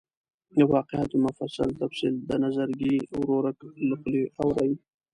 د واقعاتو مفصل تفصیل د نظرګي ورورک له خولې اوري.